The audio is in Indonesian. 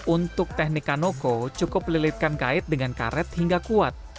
untuk teknik kanoko cukup lilitkan kait dengan karet hingga kuat